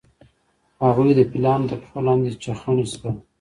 هغوی د پیلانو تر پښو لاندې چخڼي شول.